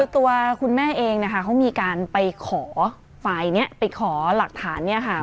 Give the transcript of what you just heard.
ตัวคุณแม่เองนะคะเขามีการไปขอฝ่ายนี้ไปขอหลักฐานเนี่ยค่ะ